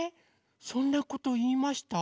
そんなこといいました？